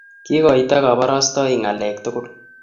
kikoito kabarastaiki ngalek tugul